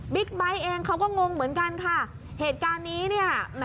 บิ๊กไบท์เองเขาก็งงเหมือนกันค่ะเหตุการณ์นี้